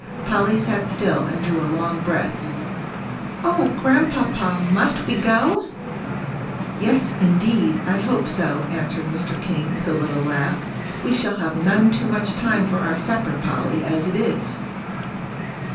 Polly sat still and drew a long breath. "Oh, Grandpapa, must we go?" "Yes, indeed, I hope so," answered Mr. King, with a little laugh. "We shall have none too much time for our supper, Polly, as it is."